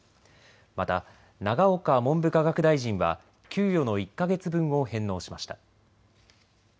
また永岡文部科学大臣は給与の１か月分を返納しました。